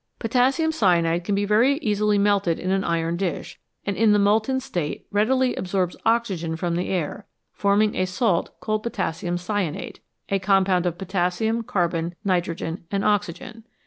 Potassium cyanide can be very easily melted in an iron dish, and in the molten state readily absorbs oxygen from the air, forming a salt called potas sium cyanate, a compound of potassium, carbon, nitrogen, and oxygen.